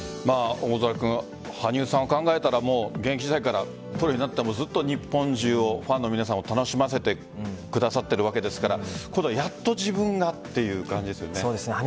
大空君羽生さん考えたら現役時代からプロになってずっと日本中をファンの皆さんを楽しませてくださっているわけですから今度はやっと自分がという感じですね。